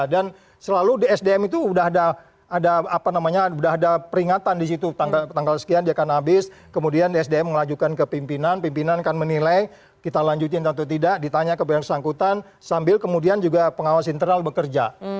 dan selalu di sdm itu udah ada apa namanya udah ada peringatan di situ tanggal sekian dia akan habis kemudian sdm ngelajukan ke pimpinan pimpinan kan menilai kita lanjutin atau tidak ditanya keberangkutan sambil kemudian juga pengawas internal bekerja